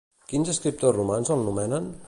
Quins escriptors romans el nomenen?